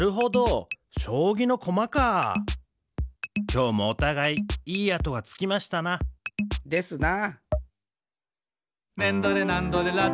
きょうもおたがいいい跡がつきましたな。ですな。